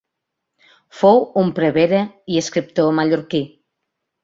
Fou un prevere i escriptor mallorquí.